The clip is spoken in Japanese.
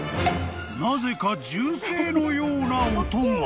［なぜか銃声のような音が］